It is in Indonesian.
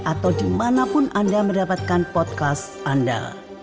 atau dimanapun anda mendapatkan podcast anda